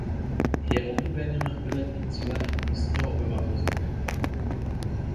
Je oblíbeným výletním cílem místního obyvatelstva.